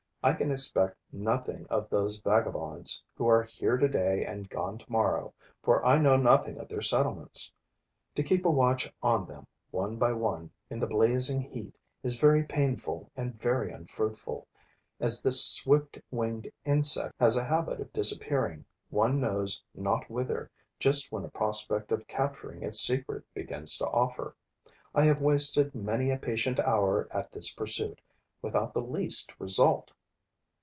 I can expect nothing of those vagabonds, who are here today and gone tomorrow, for I know nothing of their settlements. To keep a watch on them, one by one, in the blazing heat, is very painful and very unfruitful, as the swift winged insect has a habit of disappearing one knows not whither just when a prospect of capturing its secret begins to offer. I have wasted many a patient hour at this pursuit, without the least result.